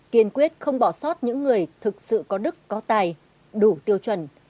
kiên quyết không bỏ sót những người thực sự có đức có tài đủ tiêu chuẩn